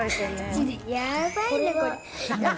やばいね、これ。